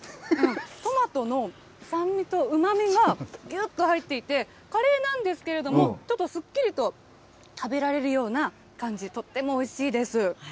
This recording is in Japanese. トマトの酸味とうまみがぎゅっと入っていて、カレーなんですけれども、ちょっとすっきりと食べられるような感じ、とってもおいしいです。